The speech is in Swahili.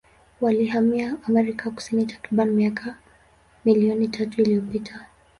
Walihamia Amerika Kusini takribani miaka milioni tatu iliyopita.